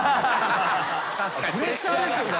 プレッシャーですよね。